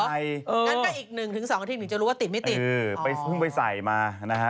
นั่นก็อีก๑๒นาทีหมึ่งจะรู้ว่าติดไม่ติดอ๋อคือเพิ่งไปใส่มานะฮะ